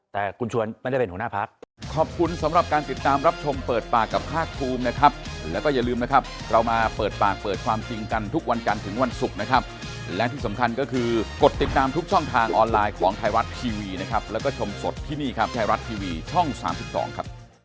แต่คุณชวนไม่ได้เป็นหัวหน้าพัก